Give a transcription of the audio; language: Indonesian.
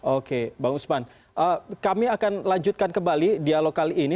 oke bang usman kami akan lanjutkan kembali dialog kali ini